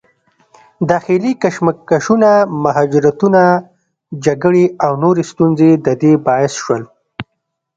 داخلي کشمکشونه، مهاجرتونه، جګړې او نورې ستونزې د دې باعث شول